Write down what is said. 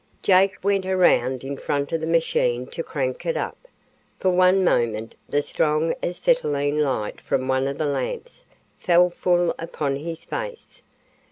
Jake went around in front of the machine to crank it. For one moment the strong acetylene light from one of the lamps fell full upon his face.